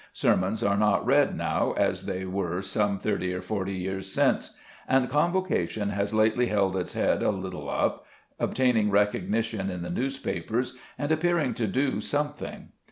Sermons are not read now as they were some thirty or forty years since, and Convocation has lately held its head a little up, obtaining recognition in the newspapers, and appearing to do something.